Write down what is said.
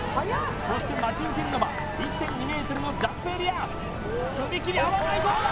そして待ち受けるのは１．２ｍのジャンプエリア踏み切り合わないどうだ